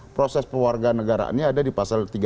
proses perwarga negaraan ini ada di pasal